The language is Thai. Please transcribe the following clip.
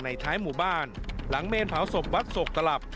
ท้ายหมู่บ้านหลังเมนเผาศพวัดโศกตลับ